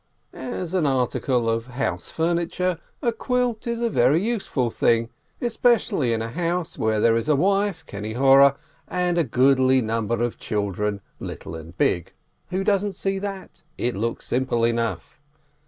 As an article of house furniture, a quilt is a very useful thing, especially in a house where there is a wife (no evil eye!) and a goodly number of children, little and big. Who doesn't see that? It looks simple enough!